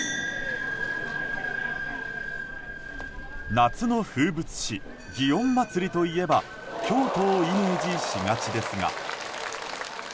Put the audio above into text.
夏の風物詩祇園祭といえば京都をイメージしがちですが。